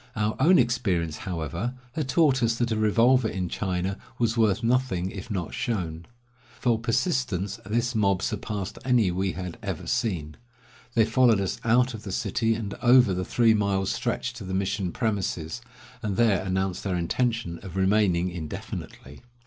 Our own experience, however, had taught us that a revolver in China was worth nothing if not shown. For persistence, this mob surpassed any we had ever seen. They followed us out of the city and over the three miles' stretch to the mission premises, and there announced their intention of remaining indefinitely.